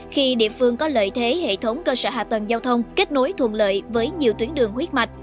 khi địa phương có lợi thế hệ thống cơ sở hạ tầng giao thông kết nối thuận lợi với nhiều tuyến đường huyết mạch